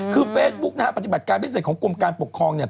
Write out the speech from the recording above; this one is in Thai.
คือเฟซบุ๊กนะฮะปฏิบัติการพิเศษของกรมการปกครองเนี่ย